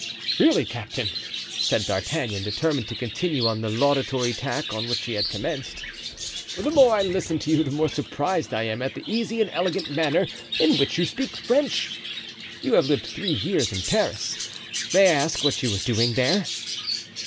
"Really, captain," said D'Artagnan, determined to continue on the laudatory tack on which he had commenced, "the more I listen to you the more surprised I am at the easy and elegant manner in which you speak French. You have lived three years in Paris? May I ask what you were doing there?"